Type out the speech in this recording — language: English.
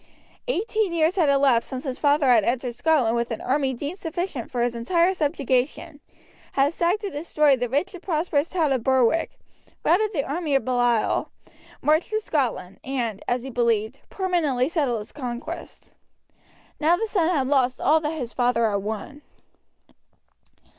Eighteen years had elapsed since his father had entered Scotland with an army deemed sufficient for its entire subjugation; had sacked and destroyed the rich and prosperous town of Berwick, routed the army of Baliol, marched through Scotland, and, as he believed, permanently settled his conquest. Now the son had lost all that his father had won.